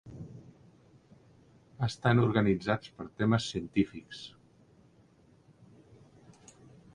Estan organitzats per temes científics.